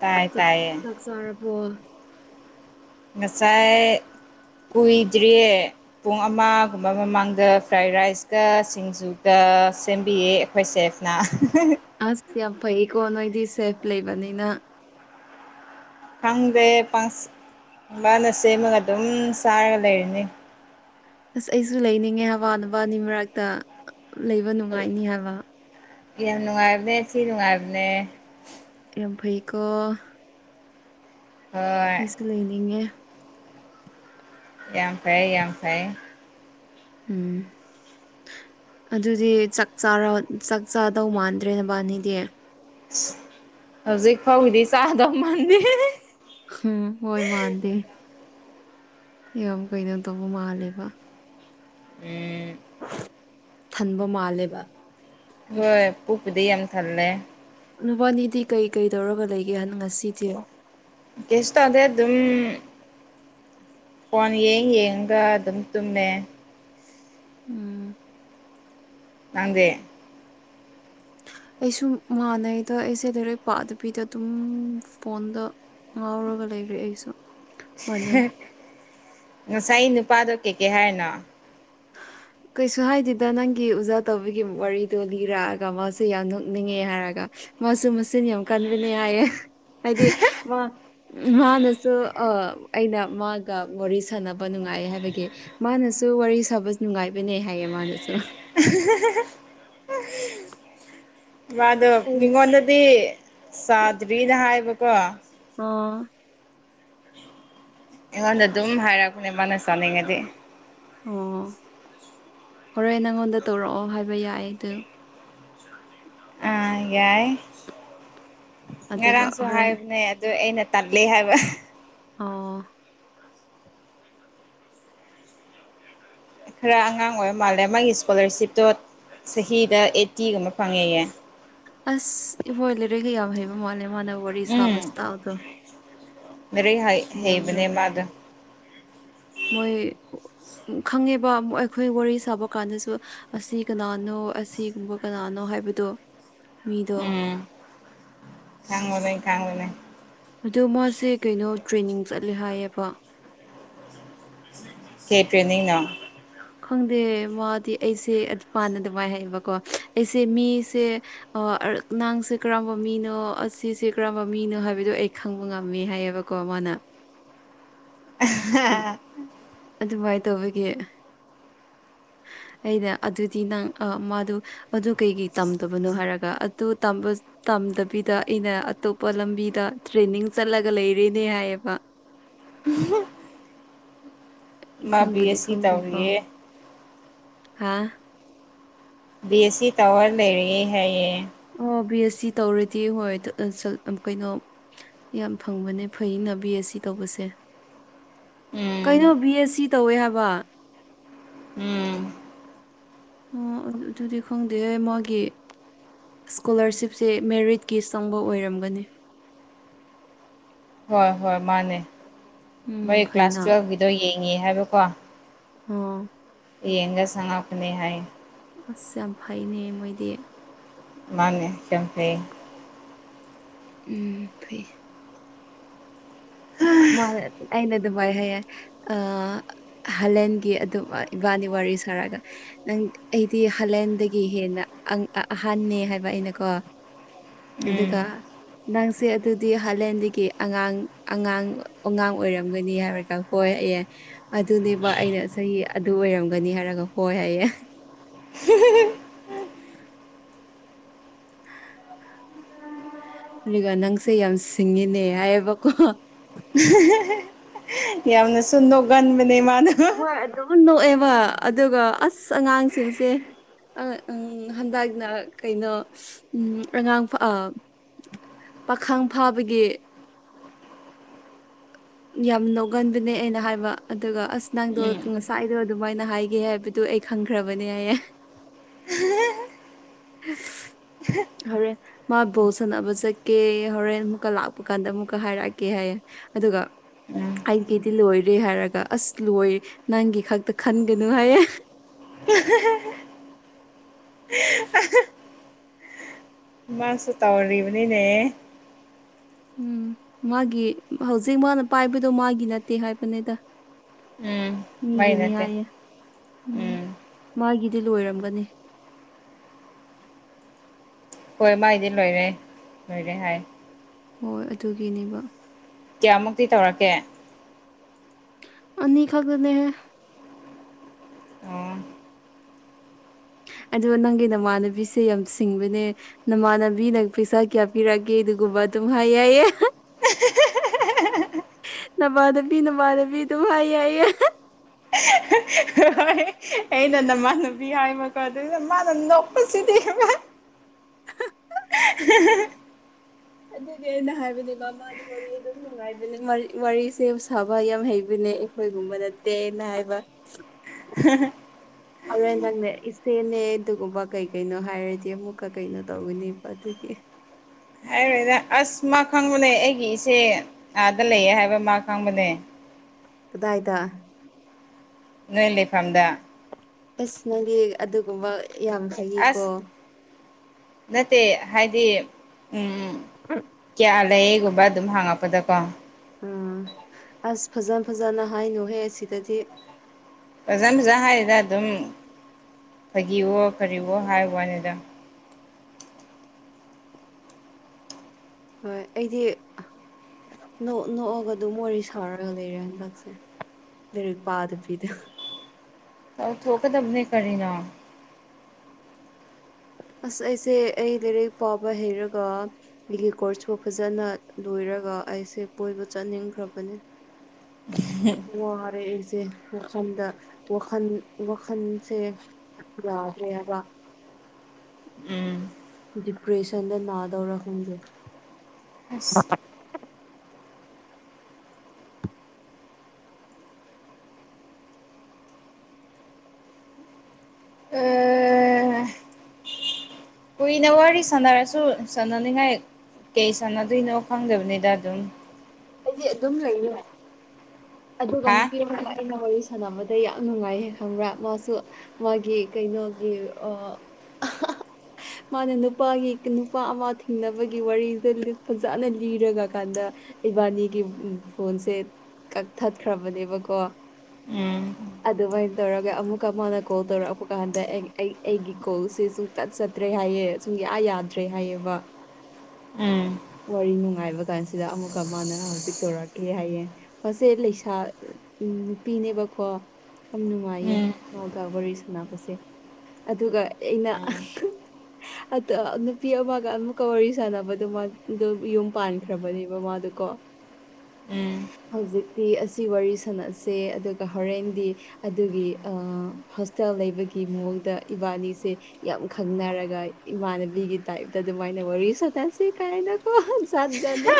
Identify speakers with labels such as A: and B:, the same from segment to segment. A: ꯇꯥꯏ ꯇꯥꯏꯌꯦ
B: ꯆꯥꯛ ꯆꯥꯔꯕꯣ
A: ꯉꯁꯥꯏ ꯀꯨꯏꯗ꯭ꯔꯤꯌꯦ ꯄꯨꯡ ꯑꯃꯒꯨꯝꯕ ꯃꯃꯥꯡꯗ ꯐ꯭ꯔꯥꯏ ꯔꯥꯏꯁꯀ ꯁꯤꯡꯖꯨꯒ ꯁꯦꯝꯕꯤꯌꯦ ꯑꯩꯈꯣꯏꯁꯦ ꯅ
B: ꯑꯁ ꯌꯥꯝ ꯐꯩꯌꯦꯀꯣ ꯅꯣꯏꯗꯤ ꯁꯦꯐ ꯂꯩꯕꯅꯤꯅ
A: ꯈꯪꯗ꯭ꯔꯦ ꯄꯥꯁ ꯃꯥꯅ ꯁꯦꯝꯃꯒ ꯑꯗꯨꯝ ꯆꯥꯔꯒ ꯂꯩꯔꯤꯅꯦ
B: ꯑꯁ ꯑꯩꯁꯨ ꯂꯩꯅꯤꯡꯉꯦ ꯍꯥꯏꯕ ꯅꯥꯕꯅꯤ ꯃꯔꯛꯇ ꯂꯩꯕ ꯅꯨꯡꯉꯥꯏꯅꯤ ꯍꯥꯏꯕ
A: ꯌꯥꯝ ꯅꯨꯡꯉꯥꯏꯕꯅꯦ ꯊꯤ ꯅꯨꯡꯉꯥꯏꯕꯅꯦ
B: ꯌꯥꯝ ꯐꯩꯀꯣ
A: ꯍꯣꯏ
B: ꯑꯩꯁꯨ ꯂꯩꯅꯤꯡꯉꯦ
A: ꯌꯥꯝ ꯐꯩꯌꯦ ꯌꯥꯝ ꯐꯩꯌꯦ
B: ꯎꯝ ꯑꯗꯨꯗꯤ ꯆꯥꯛ ꯆꯥꯔꫭ ꯆꯥꯛ ꯆꯥꯗꯧ ꯃꯥꯟꯗ꯭ꯔꯦ ꯅꯕꯥꯟꯅꯤꯗꯤ
A: ꯍꯧꯖꯤꯛ ꯐꯥꯎꯒꯤꯗꯤ ꯆꯥꯗꯧ ꯃꯥꯥꯟꯗꯦ
B: ꯎꯝ ꯍꫭꯏ ꯃꯥꯥꯟꯗꯦ ꯌꯥꯝ ꯀꯩꯅꯣ ꯇꯧꯕ ꯃꯥꯜꯂꯦꯕ
A: ꯎꯝ
B: ꯊꯟꯕ ꯃꯥꯜꯂꯦꯕ
A: ꯍꯣꯏ ꯄꯨꯛꯄꯨꯗꯤ ꯌꯥꯝ ꯊꯜꯂꯦ
B: ꯅꯨꯕꯥꯅꯤꯗꯤ ꯀꯩ ꯀꯩ ꯇꯧꯔꯒ ꯂꯩꯒꯦ ꯍꯥꯏꯅ ꯉꯁꯤꯗꯤ
A: ꯀꯩꯁꯨ ꯇꯧꯗꯦ ꯑꯗꯨꯝ ꯐꯣꯟ ꯌꯦꯡ ꯌꯦꯡꯉꯒ ꯑꯗꯨꯝ ꯇꯨꯝꯃꯦ
B: ꯎꯝ
A: ꯅꯪꯗꯤ
B: ꯑꯩꯁꯨ ꯃꯥꯟꯅꯩꯗ ꯑꯩꯁꯦ ꯂꯥꯏꯔꯛ ꯄꯥꯗꯕꯤꯗ ꯑꯗꯨꯝ ꯐꯣꯟꯗ ꯉꯥꯎꯔꯒ ꯂꯩꯔꯦ ꯑꯩꯁꯨ ꯃꯥꯅꯦ
A: ꯉꯁꯥꯏ ꯅꯨꯄꯥꯗꯣ ꯀꯩꯀꯩ ꯍꯥꯏꯅꯣ
B: [unintelligible] ꯀꯩꯁꯨ ꯍꯥꯏꯗꯦꯗ ꯅꯪꯒꯤ ꯑꯣꯖꯥ ꯇꯧꯕꯒꯤ ꯋꯥꯔꯤꯗꯣ ꯂꯤꯔꯛꯑꯒ ꯃꯥꯁꯦ ꯌꯥꯝ ꯅꯣꯛꯅꯤꯡꯉꯦ ꯍꯥꯏꯔꯒ ꯃꯥꯁꯨ ꯃꯆꯤꯟ ꯌꯥꯝ ꯀꯟꯕꯅꯦ ꯍꯥꯏꯌꯦ ꯍꯥꯏꯗꯤ ꯃꯥ ꯃꯥꯅꯁꯨ ꯑ ꯑꯩꯅ ꯃꯥꯒ ꯋꯥꯔꯤ ꯁꯥꯟꯅꯕ ꯅꯨꯡꯉꯥꯏ ꯍꯥꯏꯕꯒꯤ ꯃꯥꯅꯁꯨ ꯋꯥꯔꯤ ꯁꯥꯕꯁ ꯅꯨꯡꯉꯥꯏꯕꯅꯦ ꯍꯥꯏꯌꯦ ꯃꯥꯅꯁꯨ
A: [unintelligible] ꯃꯥꯗꯣ
B: ꯑꯩꯅ
A: ꯃꯤꯉꯣꯟꯗꯗꯤ ꯆꯥꯗ꯭ꯔꯤꯅ ꯍꯥꯏꯕꯀꯣ
B: ꯑꯣ
A: ꯑꯩꯉꯣꯟꯗ ꯑꯗꯨꯝ ꯍꯥꯏꯔꯛꯄꯅꯦ ꯃꯥꯅ ꯆꯥꯅꯤꯡꯉꯗꯤ꯫
B: ꯑꯣ ꯍꯣꯔꯣꯏ ꯅꯪꯉꯣꯟꯗ ꯇꯧꯔꯛꯑꯣ ꯍꯥꯏꯕ ꯌꯥꯏ ꯑꯗꯨ
A: ꯑ ꯌꯥꯏ
B: ꯑꯗꯨꯒ
A: ꯉꯔꯥꯡ
B: ꯍꯣꯔꯦꯟ
A: ꯁꯣꯍꯥꯏꯅꯦ꯫ ꯑꯗꯣ ꯑꯩꯅ ꯇꯜꯜꯂꯤ ꯍꯥꯏꯕ
B: ꯑꯣ
A: ꯈꯔ ꯑꯉꯥꯡ ꯑꯣꯏꯕ ꯃꯥꯜꯂꯦ ꯃꯥꯒꯤ ꯏꯁꯀꯣꯂꯥꯔꯁꯤꯞꯇꯣ ꯆꯍꯤꯗ ꯑꯩꯠꯇꯤꯒꯨꯝꯕ ꯐꯪꯉꯦꯌꯦ꯫
B: ꯑꯁ ꯏꯕꯣꯏ ꯂꯩꯔꯦꯒ ꯌꯥꯝ ꯍꯩꯕ ꯃꯥꯜꯂꯦ ꯃꯥꯥꯟꯅꯕ
A: ꯎꯝ ꯂꯩꯔꯤꯛ
B: ꯃꯑꯣꯡꯗꯣ
A: ꯍꯥꯏꯕꯥꯅꯦꯃꯗꯨ
B: ꯃꯣꯏ ꯈꯪꯉꯦꯕ ꯑꯩꯈꯣꯏ ꯋꯥꯔꯤ ꯁꯥꯕ ꯀꯥꯟꯗꯁꯨ ꯑꯁꯤ ꯀꯅꯥꯅꯣ ꯑꯁꯤꯒꯨꯝꯕ ꯀꯅꯥꯅꯣ ꯍꯥꯏꯕꯗꯣ ꯃꯤꯗꯣ
A: ꯎꯝ [unintelligible]
B: ꯑꯗꯣ ꯃꯥꯁꯦ ꯀꯩꯅꯣ ꯇ꯭ꯔꯦꯅꯤꯡ ꯆꯠꯂꯦ ꯍꯥꯏꯌꯦꯕ
A: ꯀꯦꯇꯔꯅꯤꯡ ꯅꯣ꯫
B: ꯈꯪꯗꯦ ꯃꯥꯗꯤ ꯑꯩꯁꯦ ꯄꯥꯟꯅ ꯑꯗꯨꯉꯥꯏ ꯍꯥꯏꯌꯦꯕꯀꯣ ꯑꯩꯁꯦ ꯃꯤꯁꯦ꯫ ꯑ ꯅꯥꯡꯁꯦ ꯀꯔꯝꯕ ꯃꯤꯅꯣ ꯑꯁꯤꯁꯦ ꯀꯔꯝꯕ ꯃꯤꯅꯣ ꯍꯥꯏꯕꯗꯣ ꯑꯩ ꯈꯪꯕ ꯉꯝꯃꯦ ꯍꯥꯏꯌꯦꯕ꯫ ꯀꯣ ꯃꯅꯥ
A: ꯑꯍꯥ
B: ꯑꯗꯨꯃꯥꯏ ꯇꯧꯕꯒꯤ꯫ ꯑꯩꯅ ꯑꯗꯨꯗꯤ ꯅꯪ ꯃꯗꯨ ꯑꯗꯨ ꯀꯩꯀꯩ ꯇꯝꯗꯕꯅꯣ ꯍꯥꯏꯔꯒ ꯑꯗꯨ ꯇꯝꯕ ꯇꯝꯗꯕꯤꯗ ꯑꯩꯅ ꯑꯇꯣꯞꯄ ꯂꯝꯕꯤꯗ ꯇ꯭ꯔꯦꯅꯤꯡ ꯆꯠꯂꯒ ꯂꯩꯔꯦꯅꯦ ꯍꯥꯏꯌꯦꯕ꯫
A: ꯃꯥ ꯕꯤ
B: ꯈꯪꯕꯨꯗꯤ
A: ꯑꯦꯁ ꯁꯤ ꯇꯧꯔꯤꯌꯦ꯫
B: ꯍꯥꯥ
A: ꯕꯤ ꯑꯦꯁ ꯁꯤ ꯇꯥꯋꯔ ꯂꯩꯔꯦ ꯍꯥꯏꯌꯦ꯫
B: ꯑꯣ ꯕꯤ ꯑꯦꯁ ꯁꯤ ꯇꯧꯔꯗꯤ ꯍꯣꯏ ꯀꯩꯅꯣ ꯌꯥꯝ ꯐꯪꯕꯅꯦ ꯐꯩꯩꯅꯕꯤ ꯁꯤ ꯇꯧꯕꯁꯦ꯫
A: ꯎꯝ
B: ꯀꯩꯅꯣ ꯕꯤ ꯑꯦꯁ ꯁꯤ ꯇꯧꯋꯦ ꯍꯥꯏꯕ
A: ꯎꯝ
B: ꯑꯣ ꯑꯗꯨꯗꯤ ꯈꯪꯗꯦ ꯍ ꯃꯥꯒꯤ ꯁ꯭ꯀꯣꯂꯥꯔꯁꯤꯞꯁꯦ ꯃꯦꯔꯤꯠꯀꯤ ꯆꯪꯕ ꯑꯣꯏꯔꯝꯒꯅꯤ꯫
A: ꯍꯣꯏ ꯍꯣꯏ ꯃꯥꯅꯦ
B: ꯎꯝ
A: ꯃꯣꯏ ꯀ꯭ꯂꯥꯁ
B: ꯐꯩꯅ
A: ꯇꯨꯋꯦꯜꯕꯒꯤꯗꯣ ꯌꯦꯡꯉꯦ ꯍꯥꯏꯕꯀꯣ
B: ꯍꯣ
A: ꯌꯦꯡꯒ ꯁꯉꯄꯅꯤ ꯍꯥꯏ꯫
B: ꯑꯁ ꯌꯥꯝ ꯐꯩꯅꯦ ꯃꯣꯏꯗꯤ꯫
A: ꯃꯥꯅꯦ ꯌꯥꯝ ꯐꯩꯌꯦ꯫
B: ꯎꯝ ꯐꯩ ꯃ ꯑꯩꯅ ꯑꯗꯨ ꯃꯥꯏ ꯍꯥꯏꯌꯦ꯫ ꯑ ꯍꯂꯦꯟꯒꯤ ꯑꯗꯨ ꯏꯕꯥꯅꯤ ꯋꯥꯔꯤ ꯁꯥꯔꯒ ꯅꯪ ꯑꯩꯗꯤ ꯍꯂꯦꯟꯗꯒꯤ ꯍꯦꯟꯅ ꯑꯍꯟꯅꯦ ꯍꯥꯏꯕ ꯑꯩꯅꯀꯣ
A: ꯎꯝ
B: ꯑꯗꯨꯒ ꯅꯪꯁꯦ ꯑꯗꯨꯗꯤ ꯍꯥꯂꯦꯟꯗꯒꯤ ꯑꯉꯥꯡ ꯑꯉꯥꯡ ꯑꯉꯥꯡ ꯑꯣꯏꯔꯝꯒꯅꯤ ꯍꯥꯏꯔꯒ ꯍꯣꯏ ꯌꯦ ꯑꯗꯨꯅꯦꯕ ꯑꯩꯅ ꯆꯍꯤ ꯑꯗꯨ ꯑꯣꯏꯔꯝꯒꯅꯤ ꯍꯥꯏꯔꯒ ꯍꯣꯏ ꯍꯥꯏꯌꯦ꯫
A: [unintelligible]
B: ꯑꯗꯨꯒ ꯅꯪꯁꯦ ꯌꯥꯝ ꯁꯤꯡꯉꯤꯅꯦ ꯍꯥꯏꯌꯦꯕꯀꯣ
A: [unintelligible] ꯌꯥꯝ ꯌꯥꯝꯅ ꯁꯟꯗꯣꯒꯥꯟꯕꯅꯦ ꯃꯥꯗꯨ꯫
B: ꯑꯍꯣꯏ ꯑꯗꯨꯝ ꯅꯣꯛꯑꯦꯕ ꯑꯗꯨꯒ ꯑꯁ ꯑꯉꯥꯡꯁꯤꯡꯁꯦ꯫ ꯎꯝ ꯍꯟꯗꯛꯅ ꯀꯩꯅꯣ ꯎꯝ ꯑꯉꯥꯡ ꯄꯥꯈꯪ ꯐꯥꯕꯒꯤ꯫ ꯌꯥꯝ ꯅꯣꯛꯒꯟꯕꯅꯦ ꯑꯩꯅ ꯍꯥꯏꯕ ꯑꯗꯨꯒ ꯑꯁ ꯅꯪꯗꯣ
A: ꯎꯝ
B: ꯉꯁꯥꯏꯗꯣ ꯑꯗꯨꯃꯥꯏꯅ ꯍꯥꯏꯒꯦ ꯍꯥꯏꯕꯗꯨ ꯑꯩ ꯈꯪꯈ꯭ꯔꯕꯅꯦ ꯍꯥꯏꯌꯦ ꯍꯣꯔꯦ ꯃꯥ ꯕꯧ ꯁꯥꯟꯅꯕ ꯆꯠꯀꯦ ꯍꯣꯔꯦꯟ ꯑꯃꯨꯛꯀ ꯂꯥꯛꯄ ꯀꯥꯟꯗ ꯑꯃꯨꯛꯀ ꯍꯥꯏꯔꯛꯑꯒꯦ ꯍꯥꯏꯌꯦ ꯑꯗꯨꯒ
A: ꯎꯝ
B: ꯑꯩꯒꯤꯗꯤ ꯂꯣꯏꯔꯦ ꯍꯥꯏꯔꯒ ꯑꯁ ꯂꯣꯏ ꯅꯪꯒꯤ ꯈꯛꯇ ꯈꯟꯒꯅꯨ ꯍꯥꯏꯌꯦ
A: ꯎ ꯍꯤꯍꯤ ꯃꯥꯁꯨ ꯇꯧꯔꯤꯕꯕꯅꯤꯅꯦ
B: ꯎꯝ ꯃꯥꯒꯤ ꯍꯧꯖꯤꯛ ꯃꯥꯅ ꯄꯥꯏꯕꯗꯣ ꯃꯥꯒꯤ ꯅꯠꯇꯦ ꯍꯥꯏꯕꯅꯤꯗ
A: ꯎꯝ ꯃ
B: ꯃꯤꯒꯤꯅꯦ
A: ꯅꯠꯇꯦ
B: ꯍꯥꯏꯌꯦ
A: ꯎꯝ
B: ꯃꯥꯒꯤꯗꯤ ꯂꯣꯏꯔꯝꯒꯅꯤ
A: ꯍꯣꯏ ꯃꯥꯥꯏꯗꯤ ꯂꯣꯏꯔꯦ ꯂꯣꯏꯔꯦ ꯍꯥꯏ
B: ꯍꯣꯏ ꯑꯗꯨꯒꯤꯅꯦꯕ
A: ꯀꯌꯥꯃꯨꯛꯇꯤ ꯇꯧꯔꯛꯀꯦ
B: ꯑꯅꯤ ꯈꯛꯗꯅꯦ
A: ꯑꯣ
B: ꯑ ꯅꯪꯒꯤ ꯅꯃꯥꯟꯅꯕꯤꯁꯦ ꯌꯥꯝ ꯁꯤꯡꯕꯅꯦ ꯅꯃꯥꯟꯅꯕꯤꯅ ꯄꯩꯁꯥ ꯀꯌꯥ ꯄꯤꯔꯛꯒꯦ ꯑꯗꯨꯒꯨꯝꯕ ꯑꯗꯨꯝ ꯍꯥꯏꯌꯦꯏꯌꯦ ꯅꯃꯥꯟꯅꯕꯤ ꯅꯃꯥꯟꯅꯕꯤ ꯑꯗꯨꯝ ꯌꯥꯏꯌꯦꯌꯦ
A: ꯍ ꯍꯣꯏ ꯑꯩꯅ ꯅꯃꯥꯟꯅꯨꯕꯤ ꯍꯥꯏꯃꯀꯣ ꯑꯗꯨ ꯅ ꯃꯥꯅ ꯅꯣꯛꯄꯁꯤꯗꯤ ꯍꯥꯍꯥ
B: ꯑꯗꯨꯗꯤ ꯑꯩꯅ ꯍꯥꯏꯕꯅꯦ ꯃꯃꯥꯗꯤ ꯋꯥꯔꯤ ꯑꯗꯨꯝ ꯅꯨꯡꯉꯥꯏꯕꯅꯦ ꯋꯥꯔꯤꯁꯦ ꯁꯥꯕ ꯌꯥꯝ ꯍꯩꯕꯅꯦ ꯑꯩꯈꯣꯏꯒꯨꯝꯕ ꯅꯠꯇꯦꯅ ꯍꯥꯏꯕ
A: ꯖꯃꯝꯃ
B: ꯑꯗꯨꯔꯦ ꯅꯪꯅꯦ ꯏꯆꯦꯅꯦ ꯑꯗꯨꯒꯨꯝꯕ ꯀꯩ ꯀꯩꯅꯣ ꯍꯥꯏꯔꯗꯤ ꯑꯃꯨꯛꯀ ꯀꯩꯅꯣ ꯇꯧꯒꯅꯦꯕ ꯑꯗꯨꯒꯤ
A: ꯍꯥꯏꯔꯣꯏꯗ ꯑꯁ ꯃꯥ ꯈꯪꯕꯅꯦ ꯑꯩꯒꯤ ꯏꯆꯦ ꯑꯥꯗ ꯂꯩꯌꯦ ꯍꯥꯏꯕ ꯃꯥ ꯈꯪꯕꯅꯦ
B: ꯀꯗꯥꯏꯗ
A: ꯅꯣꯏ ꯂꯩꯐꯝꯗ
B: ꯑꯁꯅꯒꯤ ꯑꯗꯨꯒꯨꯝꯕ ꯌꯥꯝ ꯍꯩꯌꯦꯀꯣ
A: ꯑꯁ ꯅꯠꯇꯦ ꯍꯥꯏꯗꯤ ꯎꯝ ꯎꯝ
B: ꯍ
A: ꯇꯥꯂꯌꯦꯒꯨꯝꯕ ꯑꯗꯨꯝ ꯍꯥꯡꯉꯛꯄꯗꯀꯣ
B: ꯎꯥ ꯑꯁ ꯐꯖ ꯐꯖꯅ ꯍꯥꯏꯅꯨꯍꯦ ꯁꯤꯗꯗꯤ
A: ꯐꯖꯟ ꯐꯖꯅ ꯍꯥꯏꯔꯤꯗ ꯑꯗꯨꯝ ꯐꯥꯒꯤꯋꯣ ꯀꯔꯤꯋꯣ ꯍꯥꯏ ꯋꯥꯅꯤꯗ
B: ꯍꯣꯏ ꯑꯩꯗꯤ ꯅꯣꯛ ꯅꯣꯛꯑꯒ ꯑꯗꯨꯝ ꯋꯥꯔꯤ ꯁꯥꯔꯒ ꯂꯩꯔꯦ ꯍꯟꯗꯛꯁꯦ ꯃꯦꯔꯨꯄꯥꯥꯗꯕꯤꯤꯗ
A: ꯇꯧꯊꯣꯛꯀꯗꯝꯅꯦ ꯀꯔꯤꯅꯥ
B: ꯑꯁ ꯑꯩꯁꯦ ꯑꯩ ꯂꯥꯏꯔꯤꯛ ꯄꯥꯕ ꯍꯩꯔꯒ ꯑꯩꯒꯤ ꯀꯣꯔꯁꯄꯨ ꯐꯖꯅ ꯂꯣꯏꯔꯒ ꯑꯩꯁꯦ ꯀꯣꯏꯕ ꯆꯠꯅꯤꯡꯈ꯭ꯔꯕꯅꯤ
A: [unintelligible]
B: ꯋꯥꯔꯦ ꯑꯩꯁꯦ ꯋꯥꯈꯜꯗ ꯋꯥꯈꯜ ꯋꯥꯈꯜꯁꯦ ꯌꯥꯗ꯭ꯔꯦꯕ
A: ꯎꯝ
B: ꯗꯤꯄ꯭ꯔꯦꯁꯟꯗ ꯅꯥꯗꯧꯔ ꯈꯪꯗꯦ
A: ꯑꯁ ꯑꯥ ꯀꯨꯏꯅ ꯋꯥꯔꯤ ꯁꯥꯟꯅꯔꯁꯨ ꯁꯥꯟꯅꯅꯤꯡꯉꯥꯏ ꯀꯩ ꯁꯥꯟꯅꯗꯣꯏꯅꯣ ꯈꯪꯗꯕꯅꯤꯗ ꯑꯗꯨꯝ
B: ꯑꯩꯗꯤ ꯑꯗꯨꯝ ꯂꯩꯌꯦ ꯑꯗꯨꯒ
A: ꯍꯥ
B: ꯅꯨꯄꯤ ꯑꯃ ꯑꯩꯅ ꯋꯥꯔꯤ ꯁꯥꯟꯅꯕꯗ ꯌꯥꯝ ꯅꯨꯡꯉꯥꯏꯌꯦ ꯈꯪꯕ꯭ꯔꯥ ꯃꯥꯁꯨ ꯃꯥꯒꯤ ꯀꯩꯅꯣꯒꯤ ꯑ [unintelligible] ꯃꯥꯅ ꯅꯨꯄꯥꯒꯤ ꯀꯟ ꯅꯨꯄꯥ ꯑꯃ ꯊꯤꯡꯅꯕꯒꯤ ꯋꯥꯔꯤꯁꯦ ꯂꯤꯠ ꯐꯖꯅ ꯂꯤꯔꯒ ꯀꯥꯟꯗ ꯏꯕꯥꯅꯤꯒꯤ ꯐꯣꯟꯁꯦ ꯀꯛꯊꯠꯈ꯭ꯔꯕꯅꯦꯕꯀꯣ
A: ꯎꯝ
B: ꯑꯗꯨꯃꯥꯏꯅ ꯇꯧꯔꯒ ꯑꯃꯨꯛꯀ ꯃꯥꯅ ꯀꯣꯜ ꯇꯧꯔꯛꯄ ꯀꯥꯟꯗ ꯑꯩꯒꯤ ꯀꯣꯜꯁꯦ ꯁꯨꯝ ꯇꯠ ꯆꯠꯇ꯭ꯔꯦ ꯍꯥꯏꯌꯦ ꯁꯨꯡꯌꯥ ꯌꯥꯗ꯭ꯔꯦ ꯍꯥꯏꯌꯦꯕ
A: ꯎꯝ
B: ꯋꯥꯔꯤ ꯅꯨꯡꯉꯥꯏꯕ ꯀꯥꯟꯁꯤꯗ ꯑꯃꯨꯛ ꯀꯃꯥꯅ ꯍꯧꯖꯤꯛ ꯇꯧꯔꯛꯀꯦ ꯍꯥꯏꯌꯦ ꯃꯁꯦ ꯂꯩꯁꯥ ꯎꯝ ꯅꯨꯄꯤꯅꯦꯕꯀꯣ ꯌꯥꯝ ꯅꯨꯡꯉꯥꯏꯌꯦ
A: ꯎꯝ
B: ꯃꯥꯒ ꯋꯥꯔꯤ ꯁꯥꯟꯅꯕꯁꯦ ꯑꯗꯨꯒ ꯑꯩꯅ
A: ꯑꯥ
B: ꯑꯗ ꯅꯨꯄꯤ ꯑꯃꯒ ꯑꯃꯨꯛꯀ ꯋꯥꯔꯤ ꯁꯥꯟꯅꯕꯗꯨ ꯃꯥꯗꯨ ꯌꯨꯝ ꯄꯥꯟꯈ꯭ꯔꯕꯅꯦꯕ ꯃꯥꯗꯨ ꯀꯣ
A: ꯎꯝ
B: ꯍꯧꯖꯤꯛꯇꯤ ꯑꯁꯤ ꯋꯥꯔꯤ ꯁꯥꯟꯅꯁꯦ ꯑꯗꯨꯒ ꯍꯣꯔꯦꯟꯗꯤ ꯑꯗꯨꯒꯤ ꯑ ꯍꯣꯁꯇꯦꯜ ꯂꯩꯕꯒꯤ ꯃꯑꯣꯡꯗ ꯏꯕꯥꯅꯤꯁꯦ ꯌꯥꯝ ꯈꯪꯅꯔꯒ ꯏꯃꯥꯟꯅꯕꯤꯒꯤ ꯇꯥꯏꯞꯇ ꯑꯗꯨꯃꯥꯏꯅ ꯋꯥꯔꯤ ꯁꯅꯁꯤ ꯀꯥꯏꯅ ꯣ ꯖꯗꯖꯗꯦ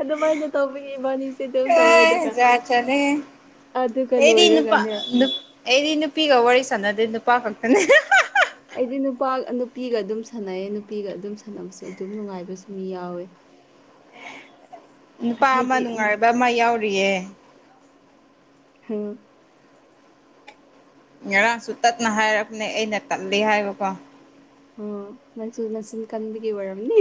B: ꯑꯗꯨꯃꯥꯏꯅ ꯇꯧꯕꯒꯤ ꯏꯕꯥꯅꯤꯁꯦ ꯊꯧ
A: ꯌꯥꯥ ꯆꯅꯦꯦ ꯑꯦꯗꯤ ꯅꯨꯄꯥ
B: ꯂꯣꯏꯔꯒꯅꯦ
A: ꯅꯨ ꯑꯩꯗꯤ ꯅꯨꯄꯤꯒ ꯋꯥꯔꯤ ꯁꯥꯟꯅꯗꯦ ꯅꯨꯄꯥ ꯈꯛꯇꯅꯦ
B: ꯑꯩꯗꯤ ꯅꯨꯄꯥ ꯅꯨꯄꯤꯒ ꯑꯗꯨꯝ ꯁꯥꯟꯅꯩ ꯅꯨꯄꯤꯒ ꯑꯗꯨꯝ ꯁꯥꯟꯅꯕꯁꯨ ꯑꯗꯨꯝ ꯅꯨꯡꯉꯥꯏꯕꯁꯨ ꯃꯤ ꯌꯥꯎꯋꯦ [inaudible]
A: ꯅꯨꯄꯥ ꯑꯃ
B: ꯍꯥꯏꯗꯤ ꯎꯝ
A: ꯅꯨꯡꯉꯥꯏꯕ ꯑꯃ ꯌꯥꯎꯔꯤꯌꯦ
B: ꯍꯦꯡ
A: ꯉꯔꯥꯡꯁꯨ ꯇꯠꯅ ꯍꯥꯏꯔꯛꯅꯦ ꯑꯩꯅ ꯇꯠꯂꯤ ꯍꯥꯏꯕꯀꯣ
B: ꯑꯣ ꯅꯛꯁꯨ ꯅꯆꯤꯟ ꯀꯟꯕꯒꯤ ꯑꯣꯏꯔꯝꯅꯤ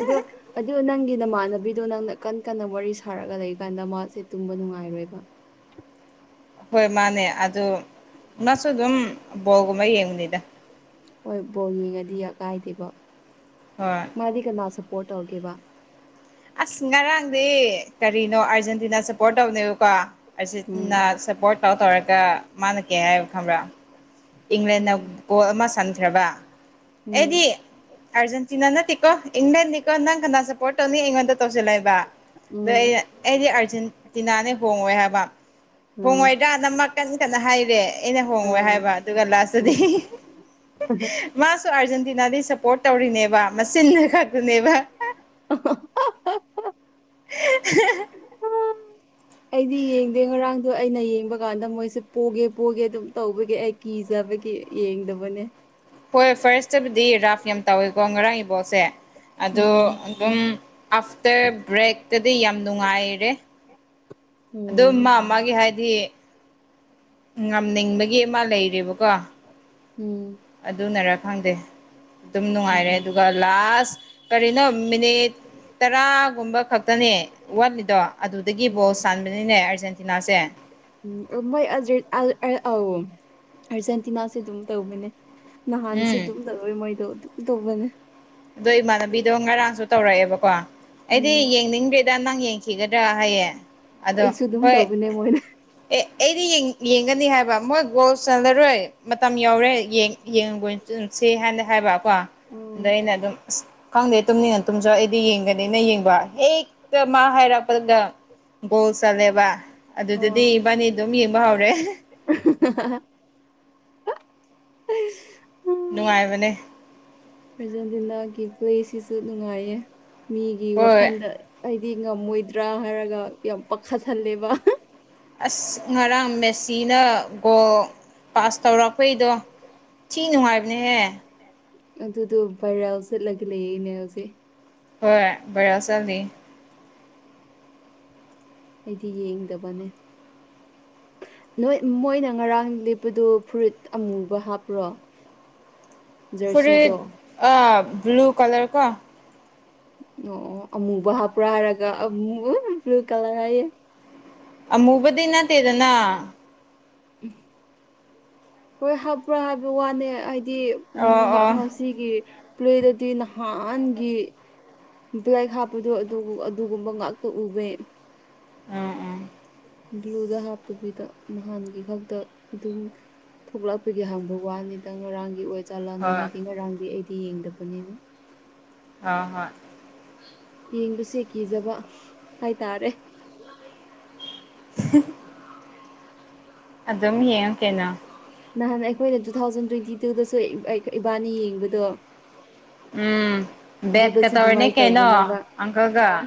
B: ꯑꯗꯣ ꯑꯗꯨ ꯅꯪꯒꯤ ꯅꯃꯥꯟꯅꯕꯤꯗꯣ ꯅꯪꯅ ꯀꯟ ꯀꯟꯅ ꯋꯥꯔꯤ ꯁꯥꯔꯒ ꯂꯩꯀꯥꯟꯗ ꯃꯥꯁꯦ ꯇꯨꯝꯕ ꯅꯨꯡꯉꯥꯏꯔꯣꯏꯕ
A: ꯍꯣꯏ ꯃꯥꯅꯦ ꯑꯗꯨ ꯃꯥꯁꯨ ꯑꯗꯨꯝ ꯕꯣꯜꯒꯨꯝꯕ ꯌꯦꯡꯕꯅꯤꯗ
B: ꯍꯣꯏ ꯕꯣꯜ ꯌꯦꯡꯉꯗꯤ ꯀꯥꯏꯗꯦꯕꯣ
A: ꯍꯣꯏ
B: ꯃꯥꯗꯤ ꯀꯅꯥ ꯁꯞꯄꯣꯔꯠ ꯇꯧꯒꯦꯕ
A: ꯑ ꯉꯔꯥꯡꯗꯤ ꯀꯔꯤꯅꯣ ꯑꯥꯔꯖꯦꯟꯇꯤꯅꯥ ꯁꯞꯄꯣꯔꯠ ꯇꯧꯅꯦꯕꯀꯣ ꯑꯥꯔꯖꯦꯟꯇꯤꯅꯥ
B: ꯎꯝ
A: ꯁꯞꯄꯣꯔꯠ ꯀꯥꯎ ꯇꯧꯔꯒ ꯃꯥꯟꯅꯒꯦ ꯍꯥꯏꯕ ꯈꯪꯕ꯭ꯔꯥ ꯏꯪꯂꯦꯟꯅ
B: ꯎꯝ
A: ꯒꯣꯜ ꯑꯃ ꯁꯟꯈ꯭ꯔꯕ ꯑꯩꯗꯤ
B: ꯎꯝ
A: ꯑꯔꯖꯦꯟꯇꯤꯅꯥ ꯅꯠꯇꯦꯀꯣ ꯏꯪꯂꯦꯟꯅꯤꯀꯣ ꯅꯪ ꯀꯅꯥ ꯁꯄꯣꯔꯠ ꯇꯧꯅꯤ ꯑꯩꯉꯣꯟꯗ ꯇꯧꯁꯤꯜꯂꯦꯕ ꯑꯗꯩ
B: ꯎꯝ
A: ꯑꯩꯅ ꯑꯩꯗꯤ ꯑꯥꯔꯖꯦꯟꯇꯤꯅꯥꯅꯦ ꯍꯣꯡꯉꯣꯏ ꯍꯥꯏꯕ
B: ꯎꯝ
A: ꯍꯣꯡꯉꯣꯏꯗ꯭ꯔꯥ ꯅꯃꯛ ꯀꯟ ꯀꯟꯅ ꯍꯥꯏꯔꯦ ꯑꯩꯅ ꯍꯣꯡꯉꯦ
B: ꯑꯥ
A: ꯍꯥꯏꯕ ꯑꯗꯨꯒ ꯂꯥꯁꯇꯨꯗꯤ
B: ꯎꯝ
A: ꯃꯥꯁꯨ ꯑꯥꯔꯖꯦꯟꯇꯤꯅꯥꯗ ꯁꯞꯄꯣꯔꯠ ꯇꯧꯔꯤꯅꯦꯕ ꯃꯆꯟꯅ ꯈꯛꯇꯨꯅꯦꯕ
B: ꯍꯥꯌꯕꯥ
A: [unintelligible]
B: ꯎꯝ ꯑꯩꯗꯤ ꯌꯦꯡꯗꯦ ꯉꯔꯥꯡꯗꯣ ꯑꯩꯅ ꯌꯦꯡꯕ ꯀꯥꯟꯗ ꯃꯣꯏꯁꯦ ꯄꯣꯒꯦ ꯄꯣꯒꯦ ꯑꯗꯨꯝ ꯇꯧꯕꯒꯤꯦ ꯑꯩ ꯀꯤꯖꯕꯒꯤ ꯌꯦꯡꯗꯕꯅꯦ
A: ꯍꯣꯏ ꯐꯔꯁꯇꯕꯨꯗꯤ ꯔꯥꯐ ꯌꯥꯝ ꯇꯧꯋꯤꯀꯣ ꯉꯔꯥꯡꯒꯤ ꯕꯣꯜꯁꯦ ꯑꯗꯣ
B: ꯎꯝ
A: ꯑꯗꯨꯝ ꯑꯥꯐꯇꯔ ꯕ꯭ꯔꯦꯛꯇꯗꯤ ꯌꯥꯝ ꯅꯨꯡꯉꯥꯏꯔꯦ ꯑꯗꯨ
B: ꯎꯝ
A: ꯃꯥ ꯃꯥꯒꯤ ꯍꯥꯏꯗꯤ ꯉꯝꯅꯤꯡꯕꯒꯤ ꯑꯃ ꯂꯩꯔꯤꯕꯀꯣ
B: ꯎꯝ
A: ꯑꯗꯨꯅꯔ ꯈꯪꯗꯦ ꯑꯗꯨꯝ ꯅꯨꯡꯉꯥꯏꯔꯦ ꯑꯗꯨꯒ ꯂꯥꯁ ꯀꯔꯤꯅꯣ ꯃꯤꯅꯤꯠ ꯇꯔꯥꯒꯨꯝꯕ ꯈꯛ ꯈꯛꯇꯅꯦ ꯋꯥꯠꯂꯤꯗꯣ ꯑꯗꯨꯗꯒꯤ ꯕꯣꯜ
B: ꯎꯝ
A: ꯁꯥꯟꯕꯅꯤꯅꯦ ꯑꯥꯔꯖꯦꯟꯇꯤꯅꯥꯁꯦ
B: ꯎ ꯃꯣꯏ ꯑ ꯑꯔꯖꯦꯟꯇꯤꯅꯥꯁꯦ ꯑꯗꯨꯝ ꯇꯧꯕꯅꯦ ꯅꯍꯥꯟꯁꯨ
A: ꯎꯝ
B: ꯑꯗꯨꯝ ꯇꯧꯔꯣꯏ ꯃꯣꯏꯗꯣ ꯑꯗꯨꯝ ꯇꯧꯕꯅꯦ
A: ꯑꯗꯣ ꯏꯃꯥꯟꯅꯕꯤꯗꯣ ꯉꯔꯥꯡꯁꯨ ꯇꯧꯔꯛꯑꯦꯕꯀꯣ ꯑꯩꯗꯤ
B: ꯎꯝ
A: ꯌꯦꯡꯅꯤꯡꯗ꯭ꯔꯦꯗ ꯅꯪ ꯌꯦꯡꯈꯤꯒꯗ꯭ꯔꯥ ꯍꯌꯦꯡ ꯑꯗꯣ
B: ꯑꯩꯁꯨ ꯑꯗꯨꯝ
A: ꯍꯣꯏ
B: ꯇꯧꯕꯅꯦ ꯃꯣꯏꯅ
A: ꯑꯦ ꯑꯩꯗꯤ ꯌꯦꯡ ꯌꯦꯡꯒꯅꯤ ꯍꯥꯏꯕ ꯃꯣꯏ ꯒꯣꯜ ꯆꯜꯂꯔꯣꯏ ꯃꯇꯝ ꯌꯧꯔꯦ ꯌꯦꯡ ꯌꯦꯡꯕ ꯆꯁꯦ ꯍꯥꯏꯅ ꯍꯥꯏꯕꯀꯣ ꯑꯗ
B: ꯎꯝ
A: ꯑꯩꯅ ꯑꯗꯨꯝ ꯑꯁ ꯈꯪꯗꯦ ꯇꯨꯝꯅꯤꯡꯉ ꯇꯨꯝꯖꯧ ꯑꯩꯗꯤ ꯌꯦꯡꯒꯅꯤꯅ ꯌꯦꯡꯕ [unintelligible] ꯃꯥ ꯍꯥꯏꯔꯛꯄꯗ ꯒꯣꯜ ꯆꯜꯂꯦꯕ ꯑꯗꯨꯗꯗꯤ
B: ꯑꯥ
A: ꯏꯕꯥꯅꯤ ꯑꯗꯨꯝ ꯌꯦꯡꯕ ꯍꯧꯔꯦ
B: [unintelligible]
A: ꯅꯨꯡꯉꯥꯏꯕꯅꯦ
B: ꯑꯔꯖꯦꯟꯇꯤꯅꯥꯒꯤ ꯄ꯭ꯂꯦꯁꯤꯁꯨ ꯅꯨꯡꯉꯥꯏꯌꯦ ꯃꯤꯒꯤ
A: ꯍꯣꯏ
B: ꯋꯥꯈꯟꯗ ꯑꯩꯗꯤ ꯉꯝꯃꯣꯏꯗ꯭ꯔꯥ ꯍꯥꯏꯔꯒ ꯌꯥꯝ ꯄꯥꯈꯠꯍꯜꯂꯦꯕ
A: ꯑꯁ ꯉꯔꯥꯡ ꯃꯦꯁꯤꯅ ꯒꯣꯜ ꯄꯥꯁ ꯇꯧꯔꯛꯄꯩꯗꯣ ꯊꯤ ꯅꯨꯡꯉꯥꯏꯕꯅꯦꯍꯦ
B: ꯑꯗꯨꯗꯣ ꯕꯥꯏꯔꯦꯜ ꯆꯠꯂꯒ ꯂꯩꯌꯦꯅꯦ ꯍꯧꯖꯤꯛ
A: ꯍꯣꯏ ꯕꯔꯦꯜ ꯆꯅꯤ
B: ꯑꯩꯗꯤ ꯌꯦꯡꯗꯕꯅꯦ ꯅꯣꯏ ꯃꯣꯏꯅ ꯉꯔꯥꯡ ꯂꯤꯦꯞꯄꯗꯨꯣ ꯐꯨꯔꯤꯠ ꯑꯃꯨꯕ ꯍꯥꯞꯄ꯭ꯔꯣ
A: ꯐꯨꯔꯤꯠ
B: ꯖꯔꯁꯤꯗꯣ
A: ꯕ꯭ꯂꯨ ꯀꯂꯔ ꯀꯣ
B: ꯑꯣ ꯑꯃꯨꯕ ꯍꯥꯞꯄ꯭ꯔꯥ ꯍꯥꯏꯔꯒ ꯑꯃꯨ ꯕ꯭ꯂꯨ ꯀꯂꯔ ꯍꯥꯏꯌꯦ
A: ꯑꯃꯨꯕꯗꯤ ꯅꯠꯇꯦꯗꯅ
B: ꯎ ꯍꯣꯏ ꯍꯥꯞꯄ꯭ꯔꯥ ꯍꯥꯏꯕ ꯋꯥꯅꯦ ꯍꯥꯏꯗꯤ ꯎꯝ
A: ꯑꯣ ꯑꯣ
B: ꯉꯁꯤꯒꯤ ꯄꯂꯦꯗꯨꯗꯤ ꯅꯍꯥꯟꯒꯤ ꯂꯥꯏ ꯍꯥꯞꯄꯗꯣ ꯑꯗꯨꯒꯨꯝꯕ ꯉꯥꯛꯇ ꯎꯕ
A: ꯎꯝ ꯎꯝ
B: ꯕ꯭ꯂꯨꯗ ꯍꯥꯞꯇꯕꯤꯗ ꯅꯍꯥꯟꯒꯤ ꯈꯛꯇ ꯑꯗꯨꯝ ꯊꯣꯛꯂꯛꯄꯒꯤ ꯍꯪꯕ ꯋꯥꯅꯤꯗ ꯉꯔꯥꯡꯒꯤ ꯑꯣꯏꯖꯥꯂꯥꯅ
A: ꯍꯣꯏ
B: ꯍꯥꯏꯗꯤ ꯉꯔꯥꯡꯗꯤ ꯑꯩꯗꯤ ꯌꯦꯡꯗꯕꯅꯤꯅ
A: ꯍ ꯍꯣꯏ
B: ꯌꯦꯡꯕꯁꯦ ꯀꯤꯖꯕ ꯍꯥꯏꯇꯥꯔꯦ
A: ꯑꯗꯨꯝ ꯌꯦꯡꯉ ꯀꯩꯅꯣ
B: ꯅꯍꯥꯟ ꯑꯩꯈꯣꯏꯅ ꯇꯨ ꯊꯥꯎꯖꯟ ꯇ꯭ꯋꯦꯟꯇꯤ ꯇꯨꯗꯁꯨ ꯏꯕꯥꯅꯤ ꯌꯦꯡꯕꯗꯣ
A: ꯎꯝ ꯕꯦꯠꯀ
B: ꯑꯗꯨꯗꯁꯨ
A: ꯇꯧꯔꯅꯤ
B: ꯑꯗꯨꯃꯥꯏꯅ
A: ꯀꯩꯅꯣ
B: ꯇꯧꯕꯅꯦꯕ ꯍꯥ
A: ꯑꯪꯀꯜꯒ